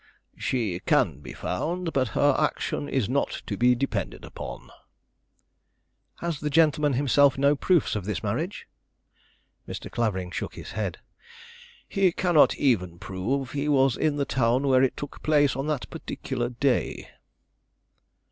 "She can be found; but her action is not to be depended upon." "Has the gentleman himself no proofs of this marriage?" Mr. Clavering shook his head. "He cannot even prove he was in the town where it took place on that particular day."